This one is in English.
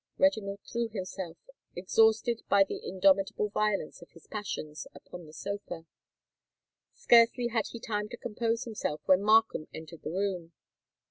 Reginald threw himself, exhausted by the indomitable violence of his passions, upon the sofa. Scarcely had he time to compose himself, when Markham entered the room.